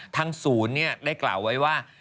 ทางศูนย์ได้กล่าวไว้ว่า